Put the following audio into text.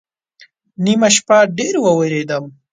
نیمه شپه ډېر ووېرېدم